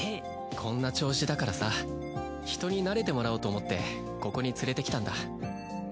こんな調子だからさ人に慣れてもらおうと思ってここに連れてきたんだ。